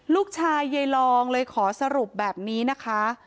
ยายลองเลยขอสรุปแบบนี้นะคะ